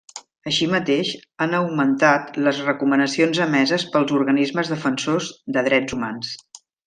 Així mateix, han augmentat les recomanacions emeses pels organismes defensors de drets humans.